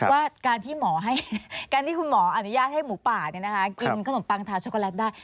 ว่าการที่คุณหมออนุญาตให้หมูป่าเนี่ยนะคะกินขนมปังทาช็อกโกแลตได้